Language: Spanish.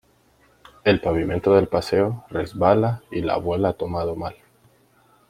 El pavimento del paseo resbala y la abuela ha tomado mal.